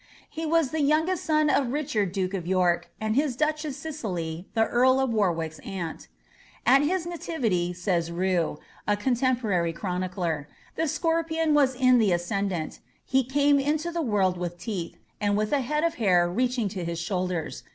He was the youngest son of Richard duke of York and his duchess Cicely, the earl of Warwick's aunt ^At his nativity," says Rous, a contemporary chronicler, ^ the scorpion was in the ascendant ; he came into the world with teeth, and with a head of hair reaching to his shoul ders.